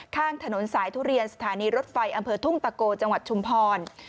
ข้างถนนสายทุเรียนสถานีรถไฟอำเภอทุ่งตะโกจังหวัดชุมพร